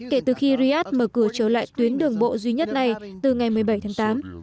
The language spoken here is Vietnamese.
kể từ khi ryyadh mở cửa trở lại tuyến đường bộ duy nhất này từ ngày một mươi bảy tháng tám